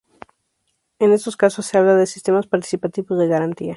En estos casos, se habla de Sistemas participativos de garantía.